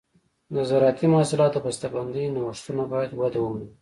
د زراعتي محصولاتو د بسته بندۍ نوښتونه باید وده ومومي.